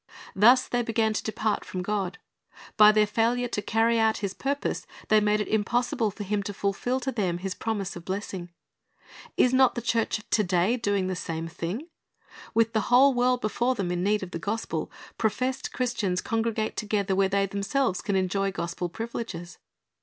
Thus they began to depart from God. By their failure to carry out His purpose, they made it impossible for Him to fulfil to them His promise of blessing. Is not the church of to day doing the same thing? With the whole world before them in need of the gospel, professed Christians congregate together where they themselves can enjoy gospel privileges.